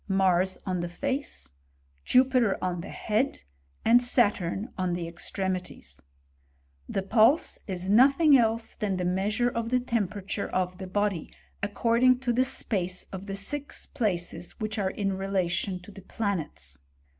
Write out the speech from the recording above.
Mars on the face, Jupi ter on the head, and Saturn on the extremities. The pulse is nothing else than the measure of the tempe * rature of the body, according to the space of the six places which are in relation to the planets.